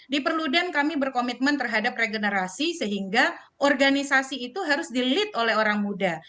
di perludan kami berkomitmen terhadap regenerasi sehingga organisasi itu harus dilit oleh orang muda